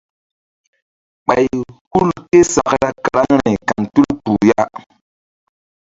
Ɓay hul ké sakra karaŋri kan tul kpuh ya.